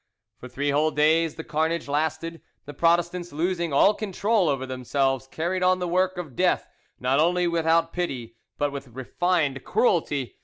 For three whole days the carnage lasted. The Protestants losing all control over themselves, carried on the work of death not only without pity but with refined cruelty.